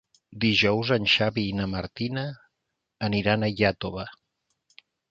Dijous en Xavi i na Martina aniran a Iàtova.